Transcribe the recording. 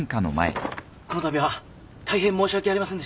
このたびは大変申し訳ありませんでした。